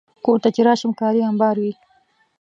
کور ته چې راشم، کالي امبار وي.